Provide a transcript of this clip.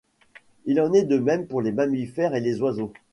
Il en est de même pour les mammifères et les oiseaux.